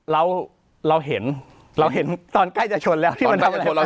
เราเราเห็นเราเห็นตอนใกล้จะชนแล้วที่มันทำอะไรชนเรา